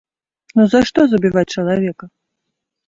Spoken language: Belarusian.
Ну, за што забіваць чалавека?